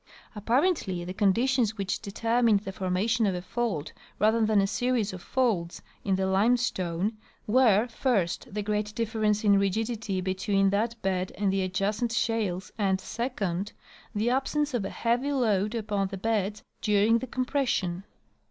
Apparently the conditions which determined the formation of a fault rather than a series of folds in the lime stone were, first, the great difference in rigidity between that bed and the adjacent shales and, second, the absence of a heavy load upon the beds during the compression.